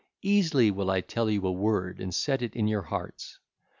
Easily will I tell you a word and set it in your hearts.